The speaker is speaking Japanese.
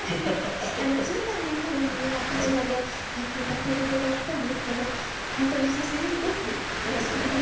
１０代のころには、こちらでよく歌わせていただいていたんですけれども本当に久しぶりです。